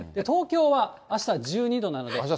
東京はあした１２度なので。